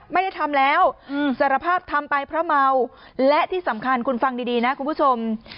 ไม่ได้ทำแล้วสารภาพทำไปเพราะเมาและที่สำคัญคุณฟังดีนะคุณผู้ชม